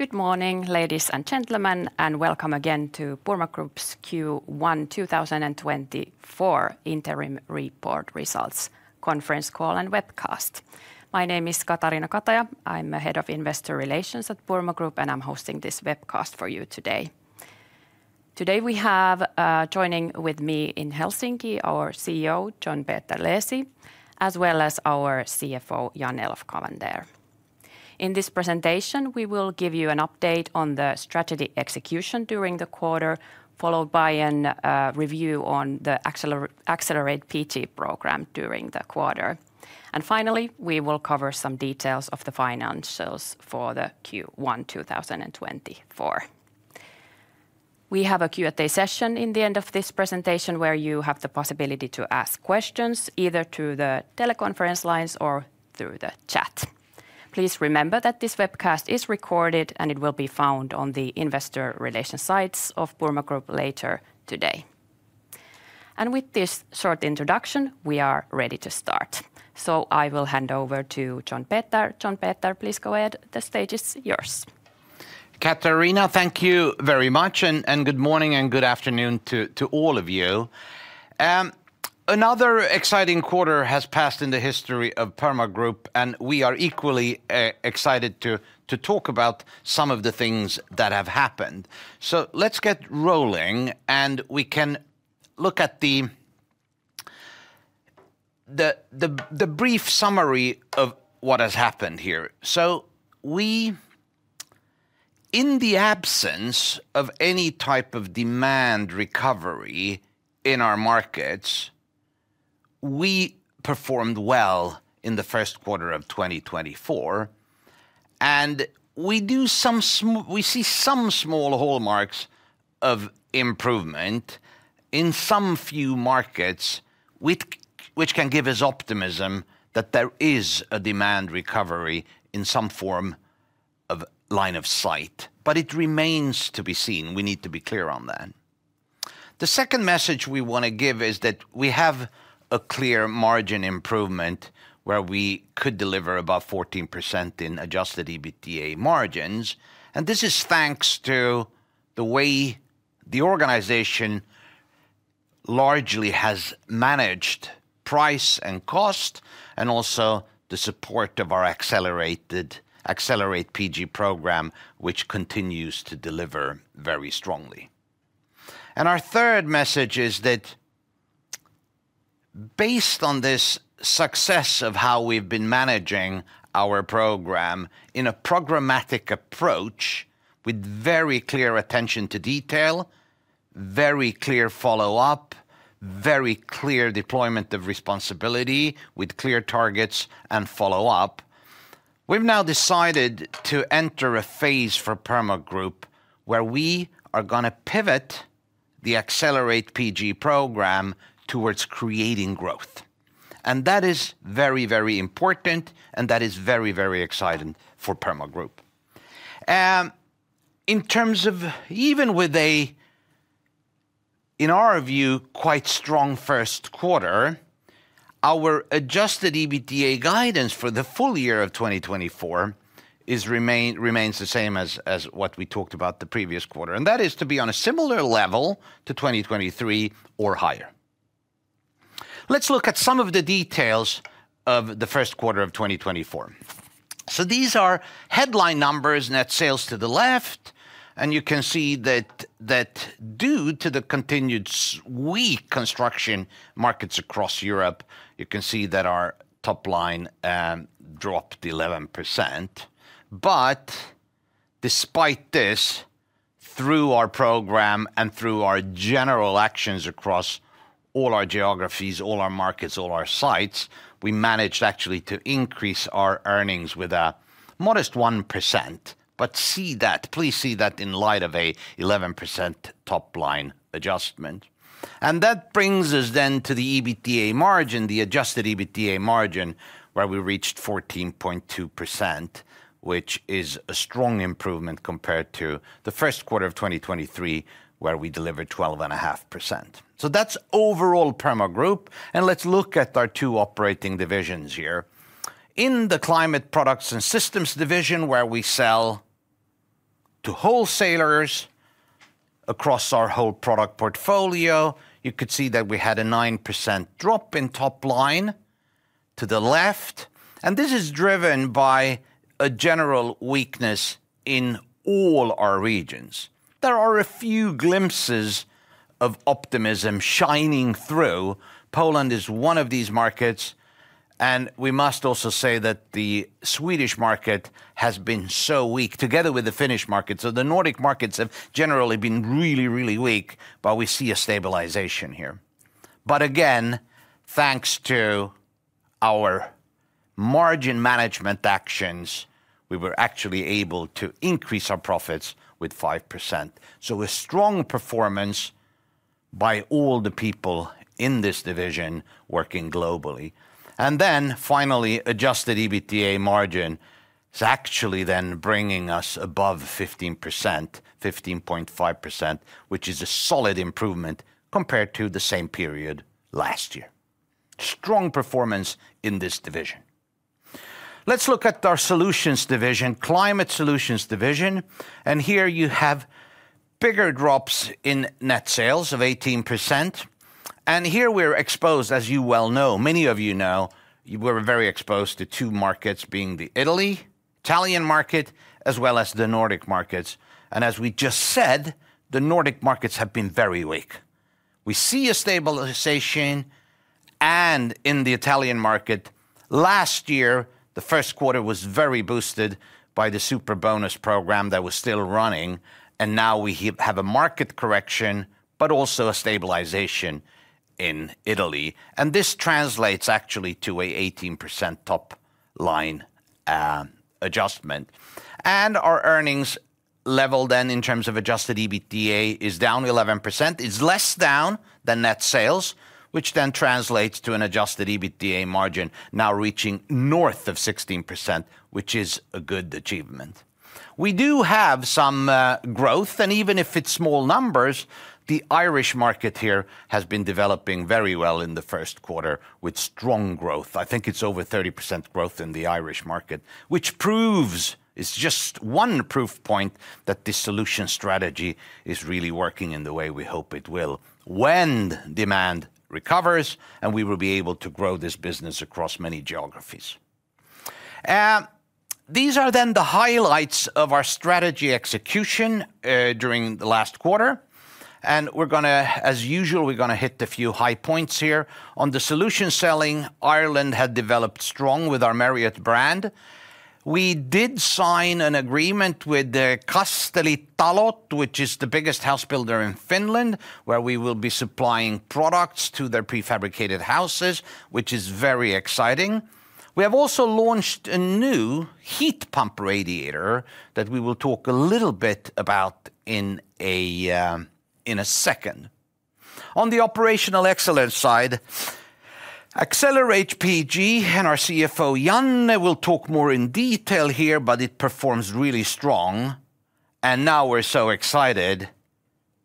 Good morning, ladies and gentlemen, and welcome again to Purmo Group's Q1 2024 Interim Report Results Conference Call and Webcast. My name is Katariina Kataja. I'm the Head of Investor Relations at Purmo Group, and I'm hosting this webcast for you today. Today we have joining with me in Helsinki our CEO, John Peter Leesi, as well as our CFO, Jan-Elof Cavander. In this presentation, we will give you an update on the strategy execution during the quarter, followed by a review on the Accelerate PG programme during the quarter. Finally, we will cover some details of the financials for Q1 2024. We have a Q&A session at the end of this presentation where you have the possibility to ask questions either through the teleconference lines or through the chat. Please remember that this webcast is recorded and it will be found on the investor relations sites of Purmo Group later today. With this short introduction, we are ready to start. I will hand over to John Peter. John Peter, please go ahead. The stage is yours. Katariina, thank you very much. Good morning and good afternoon to all of you. Another exciting quarter has passed in the history of Purmo Group, and we are equally excited to talk about some of the things that have happened. Let's get rolling, and we can look at the brief summary of what has happened here. We, in the absence of any type of demand recovery in our markets, performed well in the first quarter of 2024. We see some small hallmarks of improvement in some few markets, which can give us optimism that there is a demand recovery in some form of line of sight. It remains to be seen. We need to be clear on that. The second message we want to give is that we have a clear margin improvement where we could deliver about 14% in adjusted EBITDA margins. And this is thanks to the way the organization largely has managed price and cost, and also the support of our Accelerate PG program, which continues to deliver very strongly. And our third message is that based on this success of how we've been managing our program in a programmatic approach with very clear attention to detail, very clear follow-up, very clear deployment of responsibility with clear targets and follow-up, we've now decided to enter a phase for Purmo Group where we are going to pivot the Accelerate PG program towards creating growth. And that is very, very important, and that is very, very exciting for Purmo Group. In terms of even with a, in our view, quite strong first quarter, our adjusted EBITDA guidance for the full year of 2024 remains the same as what we talked about the previous quarter. That is to be on a similar level to 2023 or higher. Let's look at some of the details of the first quarter of 2024. These are headline numbers. Net sales to the left. You can see that due to the continued weak construction markets across Europe, you can see that our top line dropped 11%. Despite this, through our program and through our general actions across all our geographies, all our markets, all our sites, we managed actually to increase our earnings with a modest 1%, but see that please see that in light of an 11% top line adjustment. That brings us then to the EBITDA margin, the adjusted EBITDA margin, where we reached 14.2%, which is a strong improvement compared to the first quarter of 2023 where we delivered 12.5%. That's overall Purmo Group. And let's look at our two operating divisions here. In the Climate Products and Systems division, where we sell to wholesalers across our whole product portfolio, you could see that we had a 9% drop in top line to the left. And this is driven by a general weakness in all our regions. There are a few glimpses of optimism shining through. Poland is one of these markets. And we must also say that the Swedish market has been so weak, together with the Finnish market. So the Nordic markets have generally been really, really weak, but we see a stabilization here. But again, thanks to our margin management actions, we were actually able to increase our profits with 5%. So a strong performance by all the people in this division working globally. And then finally, Adjusted EBITDA margin is actually then bringing us above 15%, 15.5%, which is a solid improvement compared to the same period last year. Strong performance in this division. Let's look at our Solutions division, Climate Solutions division. And here you have bigger drops in net sales of 18%. And here we're exposed, as you well know, many of you know, we're very exposed to two markets being the Italy, Italian market, as well as the Nordic markets. And as we just said, the Nordic markets have been very weak. We see a stabilization. And in the Italian market last year, the first quarter was very boosted by the Superbonus program that was still running. And now we have a market correction, but also a stabilization in Italy. And this translates actually to an 18% top line adjustment. Our earnings level then in terms of Adjusted EBITDA is down 11%. It's less down than net sales, which then translates to an Adjusted EBITDA margin now reaching north of 16%, which is a good achievement. We do have some growth. And even if it's small numbers, the Irish market here has been developing very well in the first quarter with strong growth. I think it's over 30% growth in the Irish market, which proves it's just one proof point that this solution strategy is really working in the way we hope it will when demand recovers, and we will be able to grow this business across many geographies. These are then the highlights of our strategy execution during the last quarter. And as usual, we're going to hit a few high points here. On the solution selling, Ireland had developed strong with our Merriott brand. We did sign an agreement with Kastelli-talot, which is the biggest house builder in Finland, where we will be supplying products to their prefabricated houses, which is very exciting. We have also launched a new heat pump radiator that we will talk a little bit about in a second. On the operational excellence side, Accelerate PG and our CFO Jan will talk more in detail here, but it performs really strong. And now we're so excited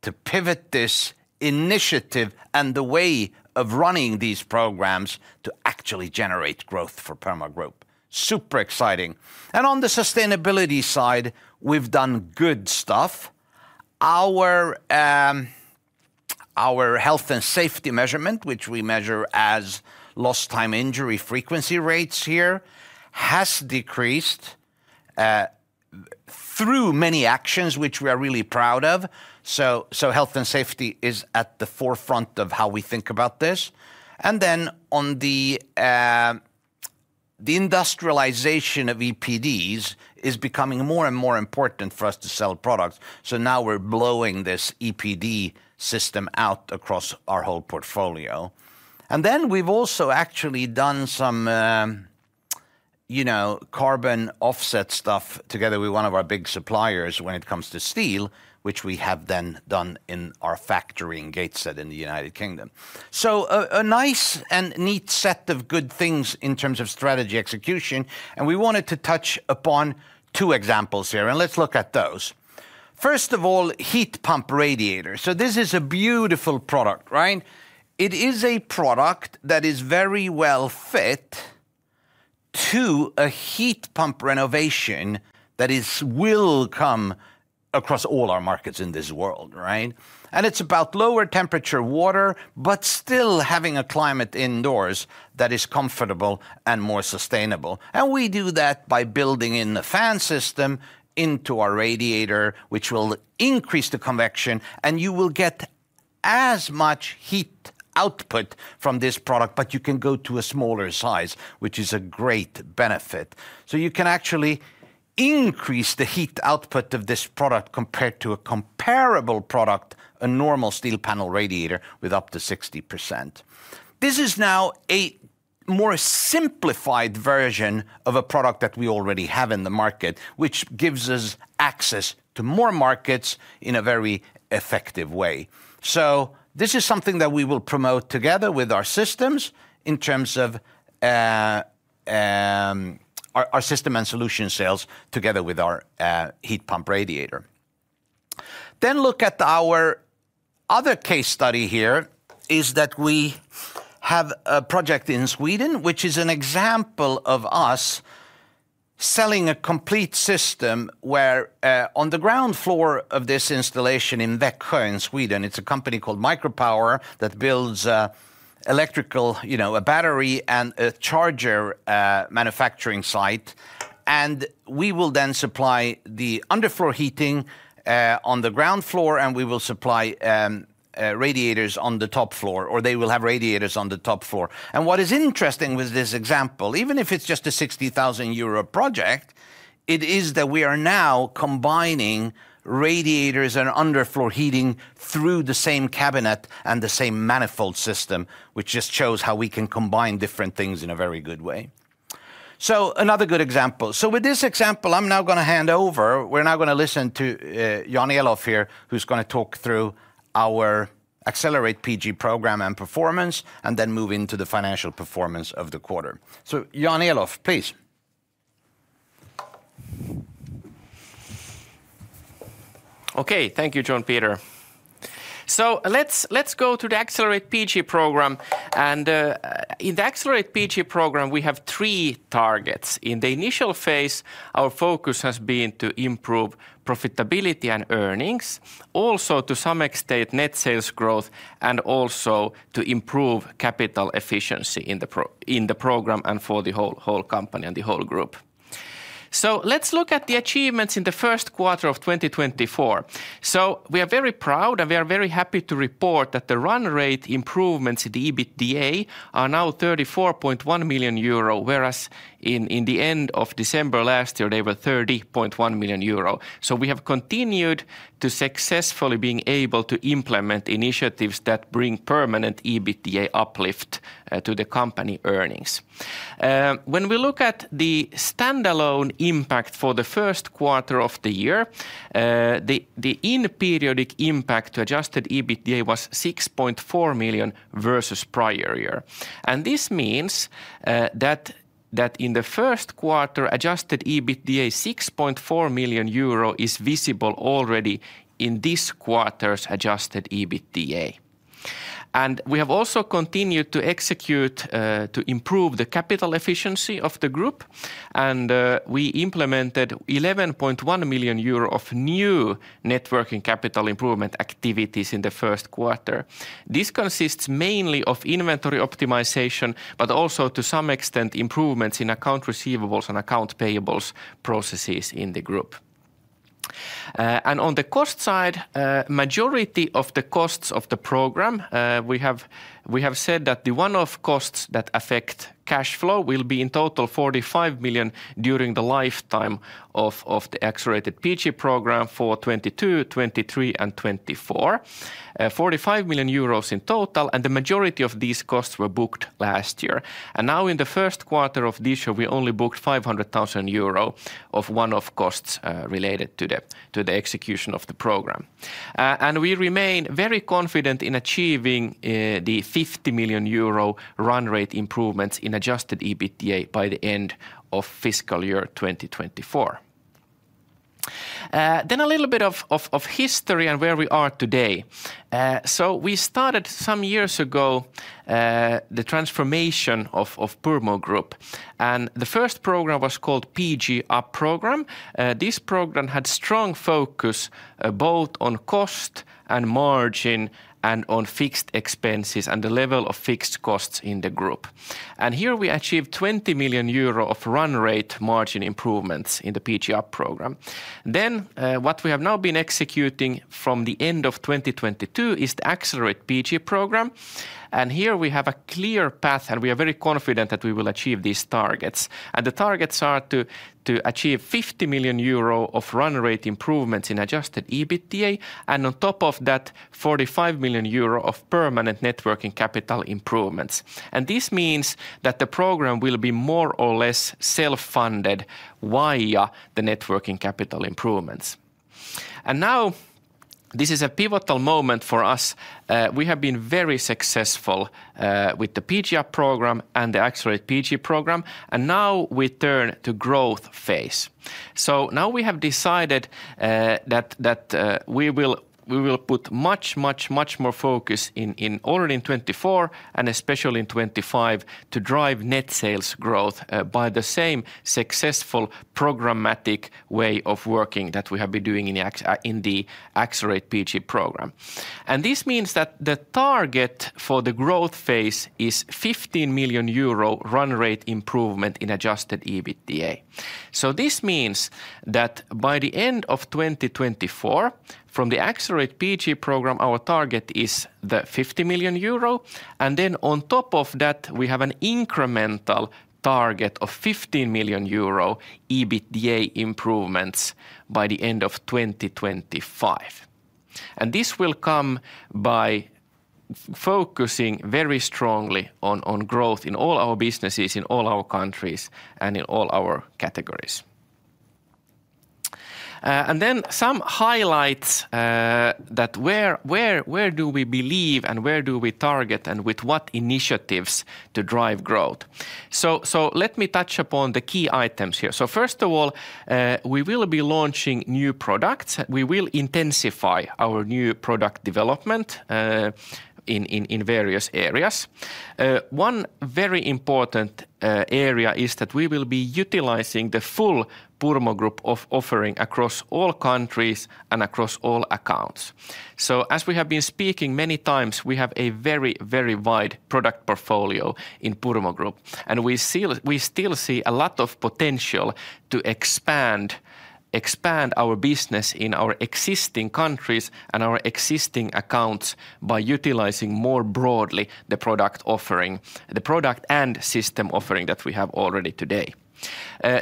to pivot this initiative and the way of running these programs to actually generate growth for Purmo Group. Super exciting. And on the sustainability side, we've done good stuff. Our health and safety measurement, which we measure as lost time injury frequency rates here, has decreased through many actions, which we are really proud of. So health and safety is at the forefront of how we think about this. And then the industrialization of EPDs is becoming more and more important for us to sell products. So now we're blowing this EPD system out across our whole portfolio. And then we've also actually done some carbon offset stuff together with one of our big suppliers when it comes to steel, which we have then done in our factory in Gateshead in the United Kingdom. So a nice and neat set of good things in terms of strategy execution. And we wanted to touch upon two examples here. And let's look at those. First of all, heat pump radiator. So this is a beautiful product, right? It is a product that is very well fit to a heat pump renovation that will come across all our markets in this world, right? And it's about lower temperature water, but still having a climate indoors that is comfortable and more sustainable. We do that by building in the fan system into our radiator, which will increase the convection. You will get as much heat output from this product, but you can go to a smaller size, which is a great benefit. You can actually increase the heat output of this product compared to a comparable product, a normal steel panel radiator with up to 60%. This is now a more simplified version of a product that we already have in the market, which gives us access to more markets in a very effective way. This is something that we will promote together with our systems in terms of our system and solution sales together with our heat pump radiator. Then look at our other case study here is that we have a project in Sweden, which is an example of us selling a complete system where on the ground floor of this installation in Växjö in Sweden, it's a company called Micropower that builds a battery and a charger manufacturing site. And we will then supply the underfloor heating on the ground floor, and we will supply radiators on the top floor, or they will have radiators on the top floor. And what is interesting with this example, even if it's just a 60,000 euro project, it is that we are now combining radiators and underfloor heating through the same cabinet and the same manifold system, which just shows how we can combine different things in a very good way. So another good example. So with this example, I'm now going to hand over. We're now going to listen to Jan-Elof here, who's going to talk through our Accelerate PG program and performance, and then move into the financial performance of the quarter. So Jan-Elof, please. Okay. Thank you, John Peter. So let's go to the Accelerate PG program. In the Accelerate PG program, we have three targets. In the initial phase, our focus has been to improve profitability and earnings, also to some extent net sales growth, and also to improve capital efficiency in the program and for the whole company and the whole group. Let's look at the achievements in the first quarter of 2024. We are very proud, and we are very happy to report that the run rate improvements in the EBITDA are now 34.1 million euro, whereas in the end of December last year, they were 30.1 million euro. We have continued to successfully be able to implement initiatives that bring permanent EBITDA uplift to the company earnings. When we look at the standalone impact for the first quarter of the year, the in-period impact to adjusted EBITDA was 6.4 million versus prior year. This means that in the first quarter, adjusted EBITDA 6.4 million euro is visible already in this quarter's adjusted EBITDA. We have also continued to improve the capital efficiency of the group. We implemented 11.1 million euro of new net working capital improvement activities in the first quarter. This consists mainly of inventory optimization, but also to some extent improvements in accounts receivable and accounts payable processes in the group. On the cost side, the majority of the costs of the program, we have said that the one-off costs that affect cash flow will be in total 45 million during the lifetime of the Accelerate PG program for 2022, 2023, and 2024. 45 million euros in total. The majority of these costs were booked last year. Now in the first quarter of this year, we only booked 500,000 euro of one-off costs related to the execution of the program. We remain very confident in achieving the 50 million euro run rate improvements in adjusted EBITDA by the end of fiscal year 2024. Then a little bit of history and where we are today. We started some years ago the transformation of Purmo Group. The first program was called PG-UP program. This program had strong focus both on cost and margin and on fixed expenses and the level of fixed costs in the group. Here we achieved 20 million euro of run rate margin improvements in the PG-UP program. What we have now been executing from the end of 2022 is the Accelerate PG program. Here we have a clear path, and we are very confident that we will achieve these targets. The targets are to achieve 50 million euro of run rate improvements in adjusted EBITDA and on top of that 45 million euro of permanent net working capital improvements. This means that the program will be more or less self-funded via the net working capital improvements. Now this is a pivotal moment for us. We have been very successful with the PG-UP program and the Accelerate PG program. Now we turn to growth phase. We have decided that we will put much, much, much more focus already in 2024 and especially in 2025 to drive net sales growth by the same successful programmatic way of working that we have been doing in the Accelerate PG program. This means that the target for the growth phase is 15 million euro run rate improvement in adjusted EBITDA. So this means that by the end of 2024, from the Accelerate PG program, our target is the 50 million euro. And then on top of that, we have an incremental target of 15 million euro EBITDA improvements by the end of 2025. And this will come by focusing very strongly on growth in all our businesses, in all our countries, and in all our categories. And then some highlights that where do we believe and where do we target and with what initiatives to drive growth. So let me touch upon the key items here. So first of all, we will be launching new products. We will intensify our new product development in various areas. One very important area is that we will be utilizing the full Purmo Group offering across all countries and across all accounts. So as we have been speaking many times, we have a very, very wide product portfolio in Purmo Group. And we still see a lot of potential to expand our business in our existing countries and our existing accounts by utilizing more broadly the product offering and system offering that we have already today.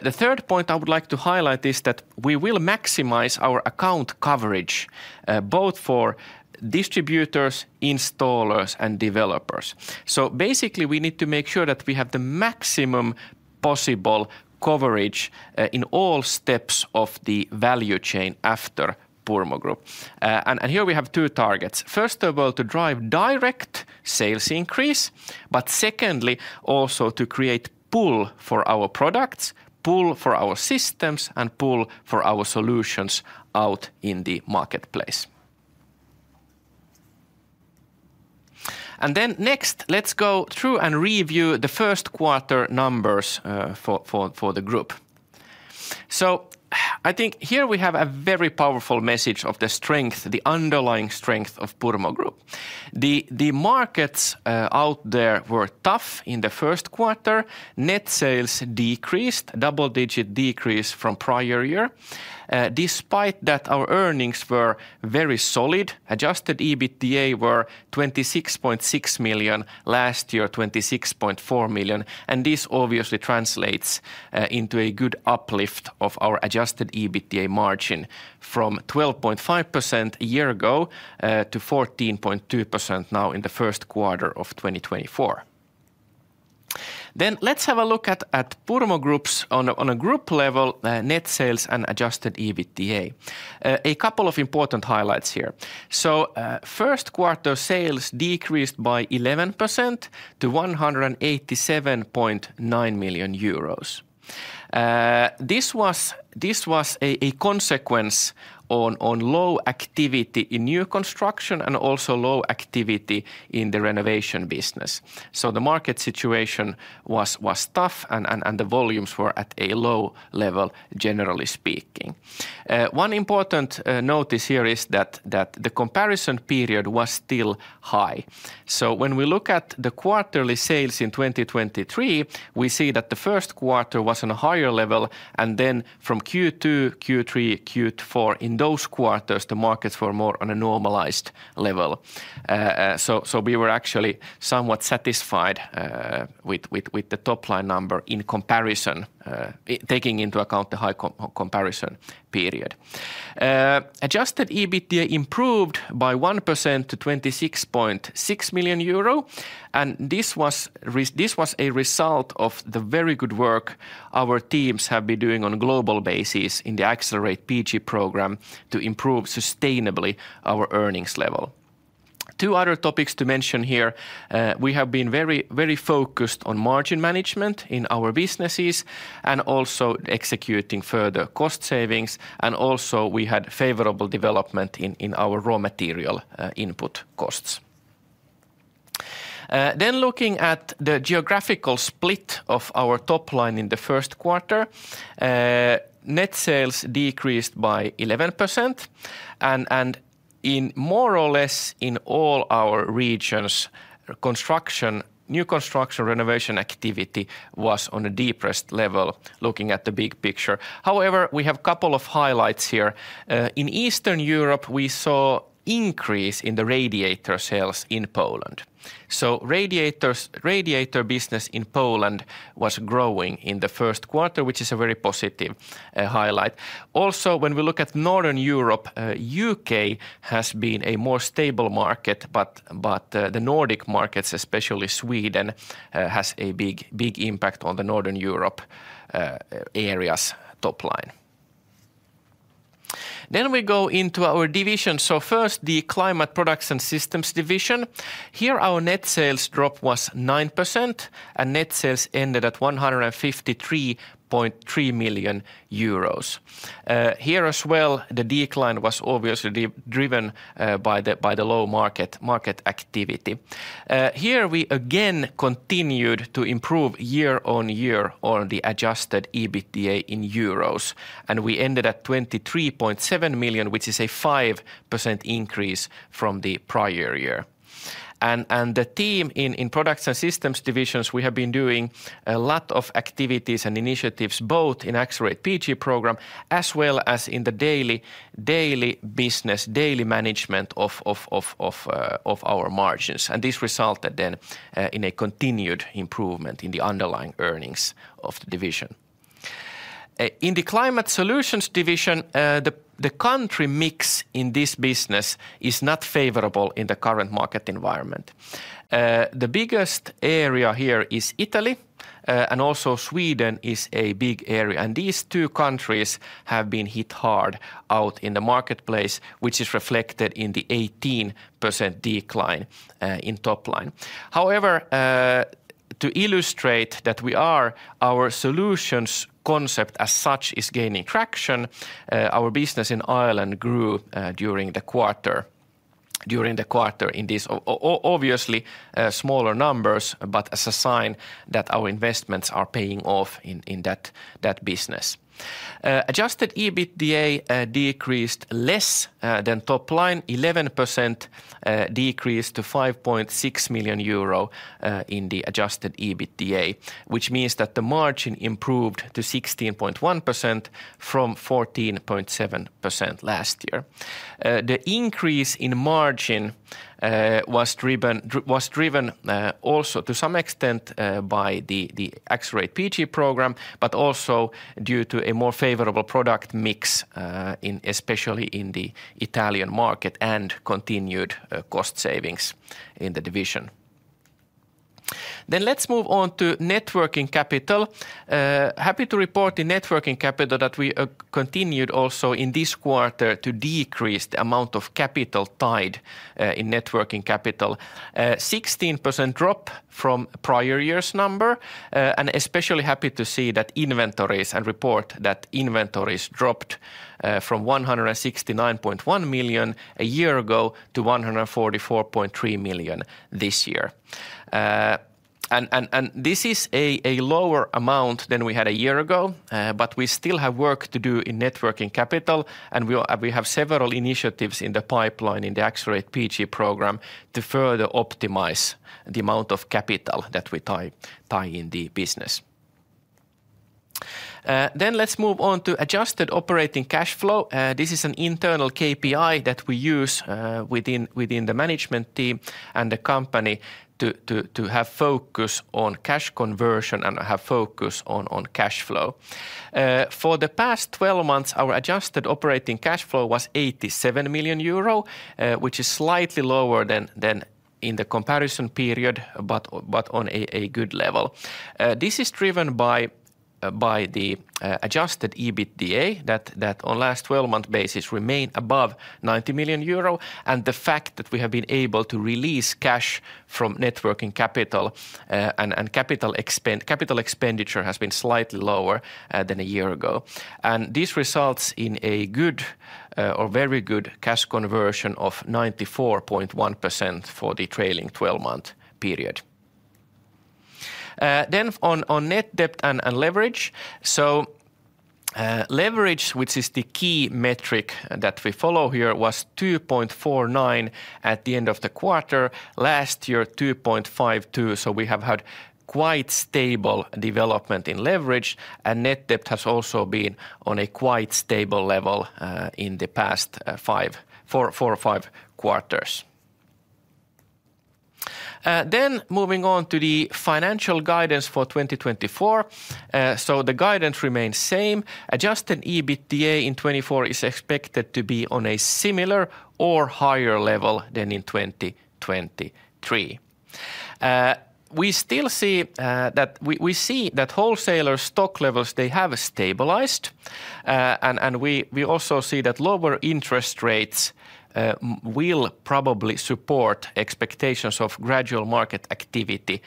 The third point I would like to highlight is that we will maximize our account coverage both for distributors, installers, and developers. So basically, we need to make sure that we have the maximum possible coverage in all steps of the value chain after Purmo Group. And here we have two targets. First of all, to drive direct sales increase. But secondly, also to create pull for our products, pull for our systems, and pull for our solutions out in the marketplace. And then next, let's go through and review the first quarter numbers for the group. So I think here we have a very powerful message of the underlying strength of Purmo Group. The markets out there were tough in the first quarter. Net sales decreased, a double-digit decrease from prior year. Despite that, our earnings were very solid. Adjusted EBITDA was 26.6 million last year, 26.4 million. And this obviously translates into a good uplift of our adjusted EBITDA margin from 12.5% a year ago to 14.2% now in the first quarter of 2024. Then let's have a look at Purmo Group's net sales and adjusted EBITDA. A couple of important highlights here. So first quarter sales decreased by 11% to 187.9 million euros. This was a consequence of low activity in new construction and also low activity in the renovation business. So the market situation was tough and the volumes were at a low level, generally speaking. One important notice here is that the comparison period was still high. So when we look at the quarterly sales in 2023, we see that the first quarter was on a higher level. And then from Q2, Q3, Q4, in those quarters, the markets were more on a normalized level. So we were actually somewhat satisfied with the top line number in comparison, taking into account the high comparison period. Adjusted EBITDA improved by 1% to 26.6 million euro. And this was a result of the very good work our teams have been doing on a global basis in the Accelerate PG program to improve sustainably our earnings level. Two other topics to mention here: we have been very focused on margin management in our businesses and also executing further cost savings. And also we had favorable development in our raw material input costs. Then looking at the geographical split of our top line in the first quarter, net sales decreased by 11%. And more or less in all our regions, new construction renovation activity was on a depressed level looking at the big picture. However, we have a couple of highlights here. In Eastern Europe, we saw an increase in the radiator sales in Poland. So the radiator business in Poland was growing in the first quarter, which is a very positive highlight. Also, when we look at Northern Europe, the U.K. has been a more stable market. But the Nordic markets, especially Sweden, have a big impact on the Northern Europe areas' top line. We go into our divisions. First, the Climate Products and Systems division. Here our net sales drop was 9% and net sales ended at 153.3 million euros. Here as well, the decline was obviously driven by the low market activity. Here we again continued to improve year-over-year on the adjusted EBITDA in euros. And we ended at 23.7 million, which is a 5% increase from the prior year. And the team in Products and Systems divisions, we have been doing a lot of activities and initiatives both in the Accelerate PG program as well as in the daily business, daily management of our margins. And this resulted then in a continued improvement in the underlying earnings of the division. In the Climate Solutions division, the country mix in this business is not favorable in the current market environment. The biggest area here is Italy. Also Sweden is a big area. These two countries have been hit hard out in the marketplace, which is reflected in the 18% decline in top line. However, to illustrate that our solutions concept as such is gaining traction, our business in Ireland grew during the quarter in these obviously smaller numbers - but as a sign that our investments are paying off in that business. Adjusted EBITDA decreased less than top line - 11% decreased to 5.6 million euro in the adjusted EBITDA, which means that the margin improved to 16.1% from 14.7% last year. The increase in margin was driven also to some extent by the Accelerate PG program but also due to a more favorable product mix, especially in the Italian market, and continued cost savings in the division. Let's move on to net working capital. Happy to report in net working capital that we continued also in this quarter to decrease the amount of capital tied in net working capital. A 16% drop from prior year's number. Especially happy to see that inventories - and report that inventories dropped from 169.1 million a year ago to 144.3 million this year. And this is a lower amount than we had a year ago. But we still have work to do in net working capital. And we have several initiatives in the pipeline in the Accelerate PG program to further optimize the amount of capital that we tie in the business. Then let's move on to adjusted operating cash flow. This is an internal KPI that we use within the management team and the company to have focus on cash conversion and have focus on cash flow. For the past 12 months, our adjusted operating cash flow was 87 million euro, which is slightly lower than in the comparison period but on a good level. This is driven by the adjusted EBITDA that on a last 12-month basis remained above 90 million euro. The fact that we have been able to release cash from net working capital and capital expenditure has been slightly lower than a year ago. This results in a good or very good cash conversion of 94.1% for the trailing 12-month period. On net debt and leverage. Leverage, which is the key metric that we follow here, was 2.49 at the end of the quarter. Last year, 2.52. We have had quite stable development in leverage. Net debt has also been on a quite stable level in the past four or five quarters. Moving on to the financial guidance for 2024. The guidance remains same. Adjusted EBITDA in 2024 is expected to be on a similar or higher level than in 2023. We still see that wholesaler stock levels have stabilised. We also see that lower interest rates will probably support expectations of gradual market activity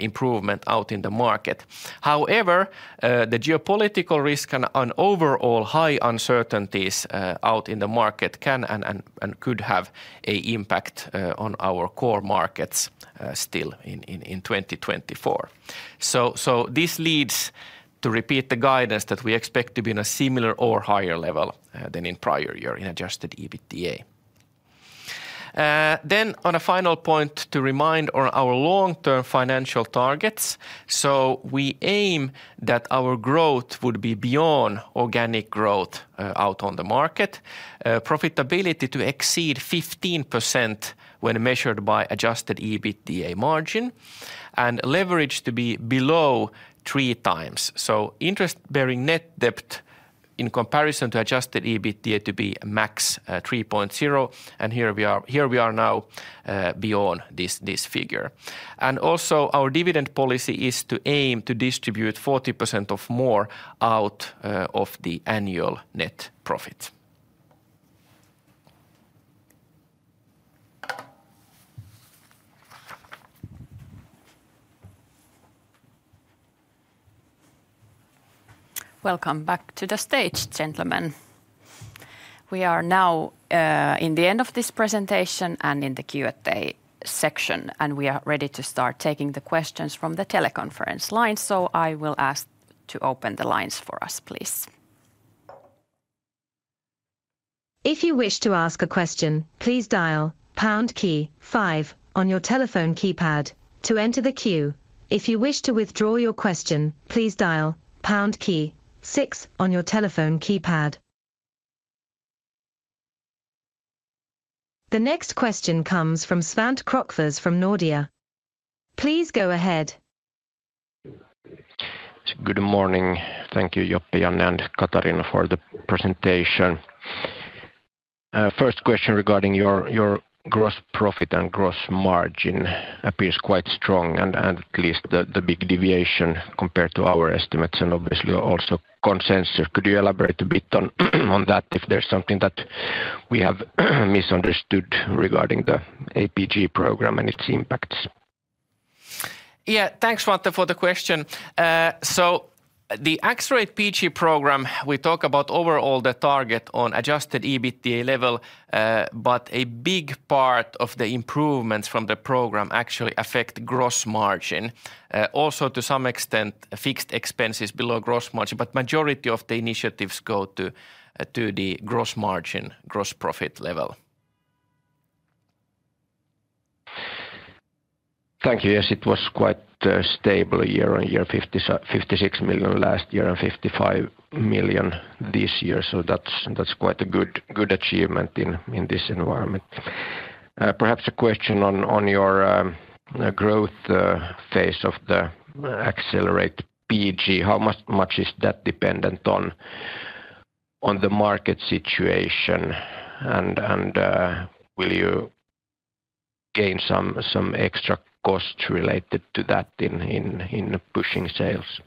improvement out in the market. However, the geopolitical risk and overall high uncertainties out in the market can and could have an impact on our core markets still in 2024. This leads to repeat the guidance that we expect to be on a similar or higher level than in prior year in adjusted EBITDA. On a final point to remind on our long-term financial targets. We aim that our growth would be beyond organic growth out on the market. Profitability to exceed 15% when measured by adjusted EBITDA margin. Leverage to be below 3x. Interest-bearing net debt in comparison to adjusted EBITDA to be max 3.0. Here we are now beyond this figure. Our dividend policy is to aim to distribute 40% more out of the annual net profit. Welcome back to the stage, gentlemen. We are now in the end of this presentation and in the Q&A section. We are ready to start taking the questions from the teleconference line. I will ask to open the lines for us, please. If you wish to ask a question, please dial pound key 5 on your telephone keypad to enter the queue. If you wish to withdraw your question, please dial pound key 6 on your telephone keypad. The next question comes from Svante Krokfors from Nordea. Please go ahead. Good morning. Thank you, John, Jan, and Katariina, for the presentation. First question regarding your gross profit and gross margin. It appears quite strong and at least the big deviation compared to our estimates and obviously also consensus. Could you elaborate a bit on that if there's something that we have misunderstood regarding the Accelerate PG programme and its impacts? Yeah, thanks Svante for the question. So the Accelerate PG programme - we talk about overall the target on Adjusted EBITDA level - but a big part of the improvements from the programme actually affect gross margin. Also to some extent fixed expenses below gross margin. But the majority of the initiatives go to the gross margin, gross profit level. Thank you. Yes, it was quite stable year-over-year. 56 million last year and 55 million this year. So that's quite a good achievement in this environment. Perhaps a question on your growth phase of the Accelerate PG. How much is that dependent on the market situation? And will you gain some extra cost related to that in pushing sales?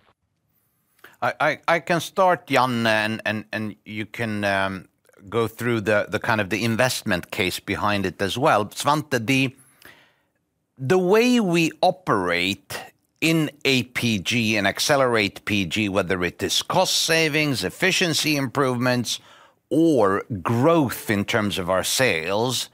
I can start, Jan, and you can go through the kind of the investment case behind it as well. Svante, the way we operate in APG and Accelerate PG, whether it is cost savings, efficiency improvements, or growth in terms of our sales,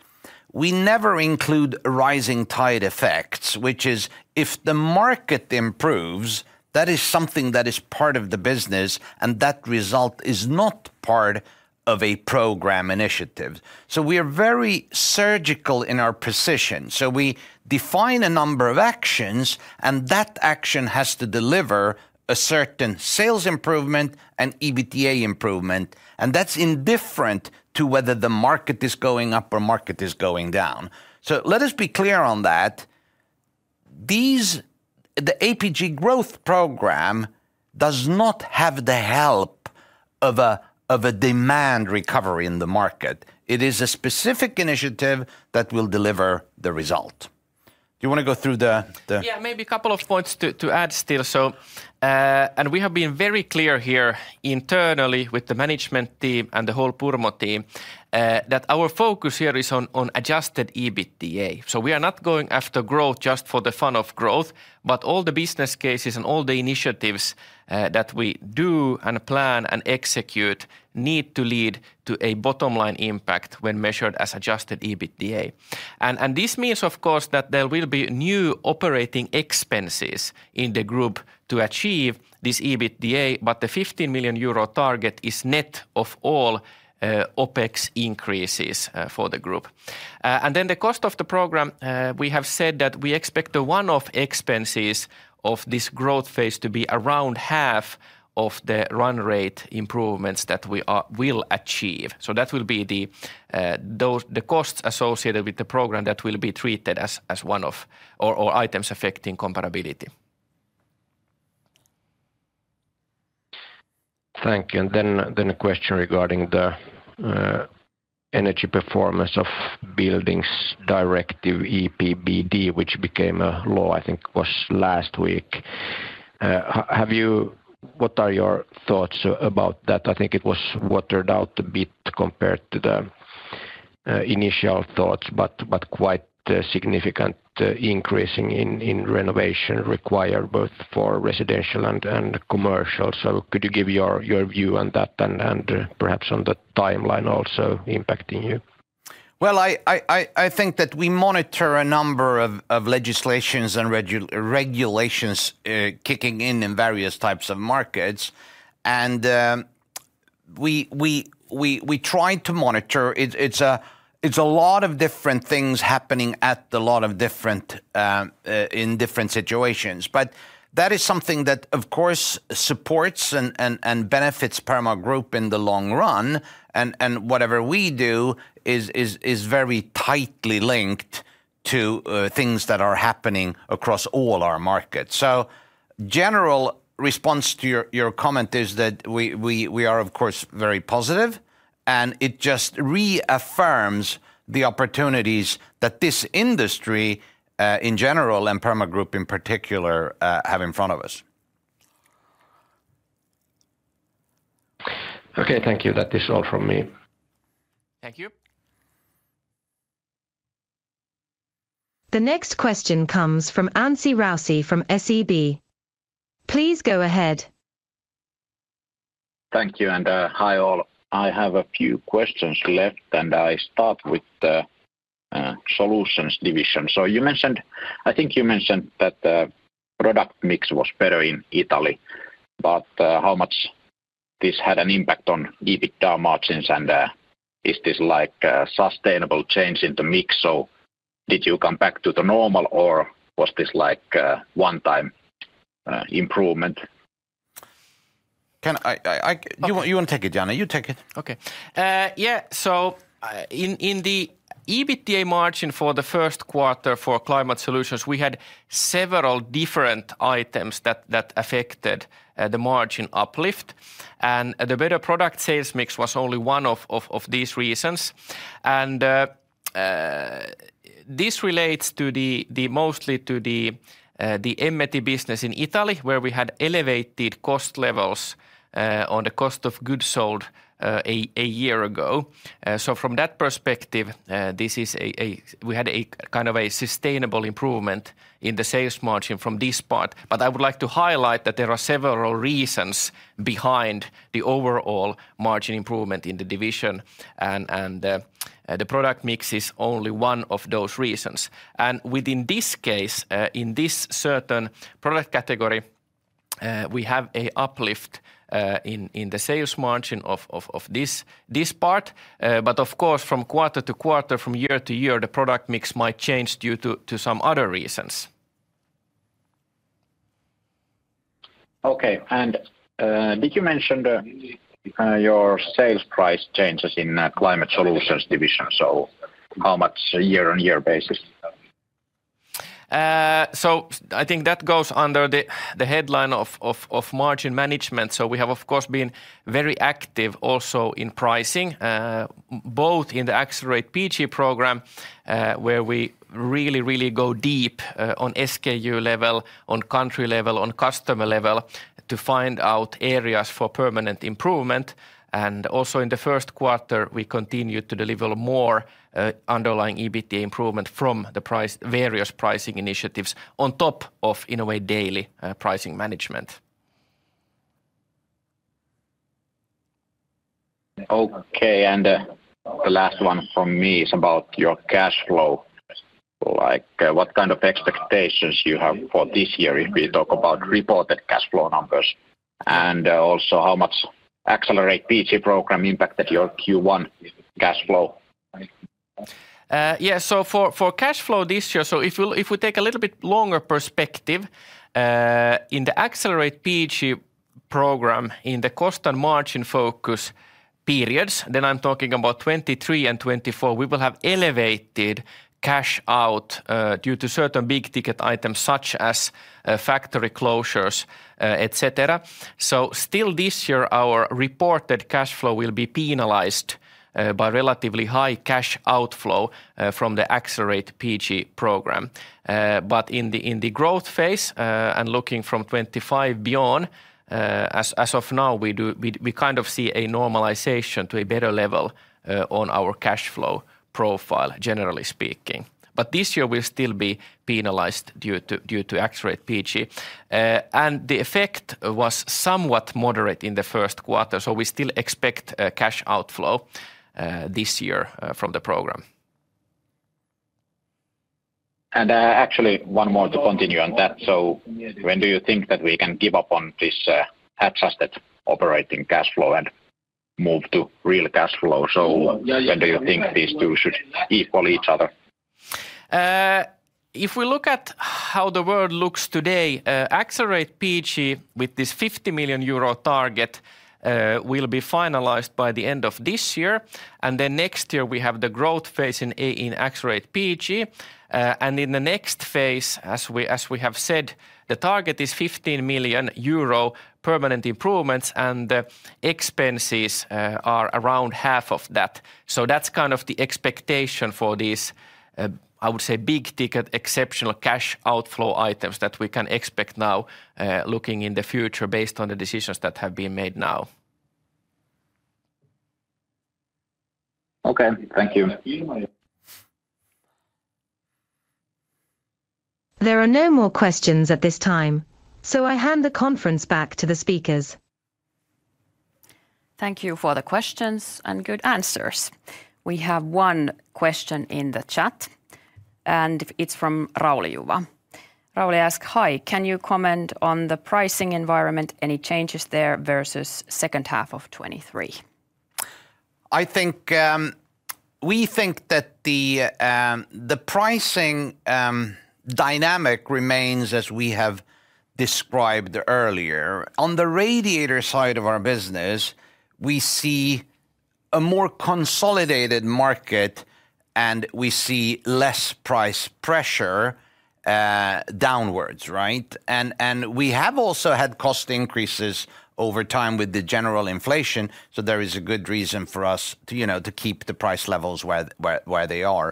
we never include rising tide effects, which is if the market improves, that is something that is part of the business and that result is not part of a program initiative. So we are very surgical in our position. So we define a number of actions and that action has to deliver a certain sales improvement and EBITDA improvement. And that's indifferent to whether the market is going up or market is going down. So let us be clear on that. The Accelerate PG growth program does not have the help of a demand recovery in the market. It is a specific initiative that will deliver the result. Do you want to go through the? Yeah, maybe a couple of points to add still. We have been very clear here internally with the management team and the whole Purmo team, that our focus here is on adjusted EBITDA. So we are not going after growth just for the fun of growth. But all the business cases and all the initiatives that we do and plan and execute need to lead to a bottom line impact when measured as adjusted EBITDA. This means, of course, that there will be new operating expenses in the group to achieve this EBITDA. But the 15 million euro target is net of all OpEx increases for the group. And then the cost of the program - we have said that we expect the one-off expenses of this growth phase to be around half of the run rate improvements that we will achieve. So that will be the costs associated with the program that will be treated as one-off or items affecting comparability. Thank you. And then a question regarding the Energy Performance of Buildings Directive EPBD - which became a law, I think it was last week. What are your thoughts about that? I think it was watered down a bit compared to the initial thoughts. But quite significant increase in renovation required both for residential and commercial. So could you give your view on that and perhaps on the timeline also impacting you? Well, I think that we monitor a number of legislations and regulations kicking in in various types of markets. We try to monitor. It's a lot of different things happening in different situations. But that is something that, of course, supports and benefits Purmo Group in the long run. Whatever we do is very tightly linked to things that are happening across all our markets. General response to your comment is that we are, of course, very positive. It just reaffirms the opportunities that this industry in general and Purmo Group in particular have in front of us. Okay, thank you. That is all from me. Thank you. The next question comes from Anssi Raussi from SEB. Please go ahead. Thank you and hi all. I have a few questions left and I start with the solutions division. I think you mentioned that the product mix was better in Italy. But how much this had an impact on EBITDA margins? And is this like a sustainable change in the mix? So did you come back to the normal or was this like a one-time improvement? You want to take it, Jan? You take it. Okay. Yeah, so in the EBITDA margin for the first quarter for climate solutions, we had several different items that affected the margin uplift. And the better product sales mix was only one of these reasons. And this relates mostly to the Emmeti business in Italy, where we had elevated cost levels on the cost of goods sold a year ago. So from that perspective, we had a kind of a sustainable improvement in the sales margin from this part. But I would like to highlight that there are several reasons behind the overall margin improvement in the division. The product mix is only one of those reasons. Within this case, in this certain product category, we have an uplift in the sales margin of this part. But of course, from quarter-to-quarter, from year-to-year, the product mix might change due to some other reasons. Okay. And did you mention your sales price changes in Climate Solutions division? So how much year-on-year basis? So I think that goes under the headline of margin management. So we have, of course, been very active also in pricing, both in the Accelerate PG program, where we really, really go deep on SKU level, on country level, on customer level, to find out areas for permanent improvement. And also in the first quarter, we continue to deliver more underlying EBITDA improvement from the various pricing initiatives, on top of, in a way, daily pricing management. Okay. And the last one from me is about your cash flow. Like, what kind of expectations you have for this year, if we talk about reported cash flow numbers? And also how much Accelerate PG program impacted your Q1 cash flow? Yeah, so for cash flow this year, so if we take a little bit longer perspective, in the Accelerate PG program in the cost and margin focus periods, then I'm talking about 2023 and 2024, we will have elevated cash out due to certain big ticket items, such as factory closures, etc. So still this year our reported cash flow will be penalized by relatively high cash outflow from the Accelerate PG program. But in the growth phase and looking from 2025 beyond, as of now we kind of see a normalization to a better level on our cash flow profile, generally speaking. But this year we'll still be penalized due to Accelerate PG. And the effect was somewhat moderate in the first quarter. So we still expect cash outflow this year from the program. And actually one more to continue on that. So when do you think that we can give up on this adjusted operating cash flow and move to real cash flow? So when do you think these two should equal each other? If we look at how the world looks today, Accelerate PG with this 50 million euro target will be finalized by the end of this year. And then next year we have the growth phase in Accelerate PG. And in the next phase, as we have said, the target is 15 million euro permanent improvements, and the expenses are around EUR 7.5 million. So that's kind of the expectation for these, I would say big ticket exceptional cash outflow items, that we can expect now looking in the future based on the decisions that have been made now. Okay, thank you. There are no more questions at this time. So I hand the conference back to the speakers. Thank you for the questions and good answers. We have one question in the chat. And it's from Rauli Juva. Rauli asks, "Hi, can you comment on the pricing environment? Any changes there versus second half of 2023?" I think we think that the pricing dynamic remains as we have described earlier. On the radiator side of our business, we see a more consolidated market, and we see less price pressure downwards, right? And we have also had cost increases over time with the general inflation. So there is a good reason for us to keep the price levels where they are.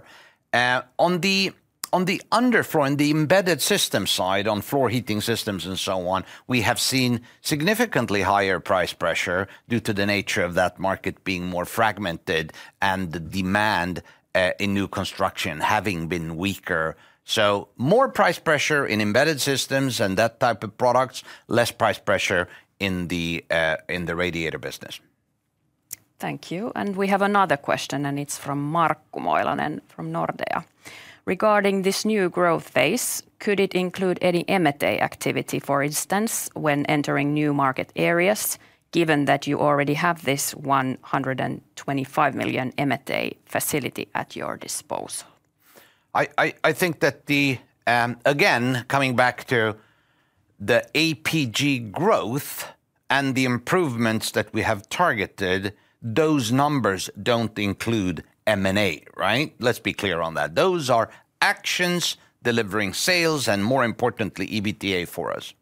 On the underfloor, in the embedded system side, on floor heating systems and so on, we have seen significantly higher price pressure, due to the nature of that market being more fragmented, and the demand in new construction having been weaker. So more price pressure in embedded systems and that type of products, less price pressure in the radiator business. Thank you. And we have another question and it's from Markku Moilanen from Nordea. Regarding this new growth phase, could it include any M&A activity, for instance, when entering new market areas, given that you already have this 125 million M&A facility at your disposal? I think that, again, coming back to the APG growth and the improvements that we have targeted, those numbers don't include M&A, right? Let's be clear on that. Those are actions delivering sales and more importantly EBITDA for us.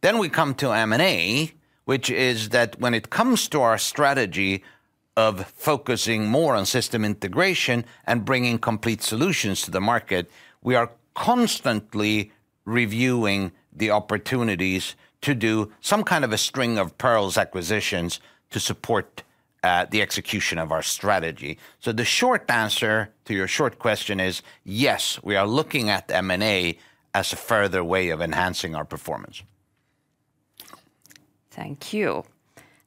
Then we come to M&A, which is that when it comes to our strategy of focusing more on system integration and bringing complete solutions to the market, we are constantly reviewing the opportunities to do some kind of a string of pearls acquisitions to support the execution of our strategy. So the short answer to your short question is yes, we are looking at M&A, as a further way of enhancing our performance. Thank you.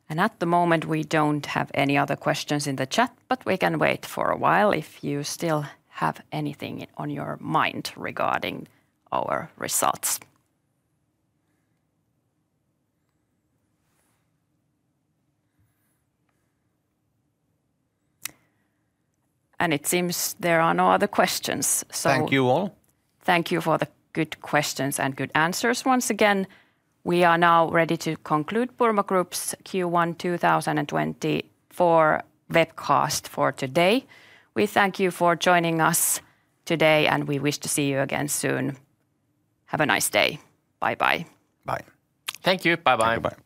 And at the moment we don't have any other questions in the chat, but we can wait for a while if you still have anything on your mind regarding our results. And it seems there are no other questions. Thank you all. Thank you for the good questions and good answers. Once again, we are now ready to conclude Purmo Group's Q1 2024 webcast for today. We thank you for joining us today and we wish to see you again soon. Have a nice day. Bye-bye. Bye. Thank you. Bye-bye.